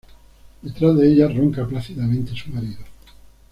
Detrás de ella ronca plácidamente su marido.